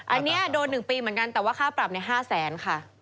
อันนี้โดน๑ปีเหมือนกันแต่ว่าค่าปรับ๕แสนค่ะ